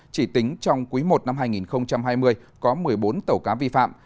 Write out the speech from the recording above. chỉ tính trong quý i năm hai nghìn hai mươi có một mươi bốn tàu cá vi phạm